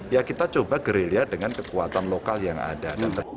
ya kita coba gerilya dengan kekuatan lokal yang ada